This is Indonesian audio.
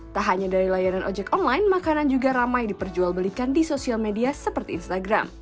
tak hanya dari layanan ojek online makanan juga ramai diperjualbelikan di sosial media seperti instagram